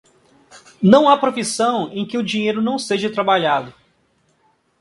Não há profissão em que o dinheiro não seja trabalhado.